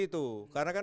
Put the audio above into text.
dia ke ruang medis